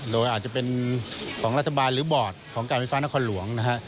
โดยอาจจะเป็นของรัฐบาลหรือบอร์ดของการไฟฟ้านครหลวงนะฮะ